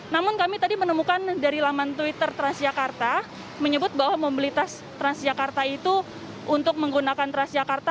namun kami tadi menemukan dari laman twitter transjakarta menyebut bahwa mobilitas transjakarta itu untuk menggunakan transjakarta